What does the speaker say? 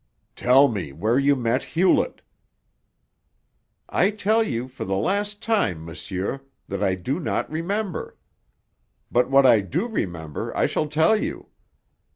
"Tell me where you met Hewlett." "I tell you for the last time, monsieur, that I do not remember. But what I do remember I shall tell you.